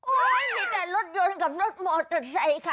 โอ๊ยมีแต่รถยนต์กับรถมอเตอร์ใช้ค่ะ